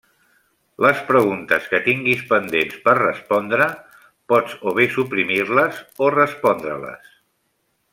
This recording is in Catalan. Les preguntes que tinguis pendents per respondre, pots, o bé suprimir-les, o respondre-les.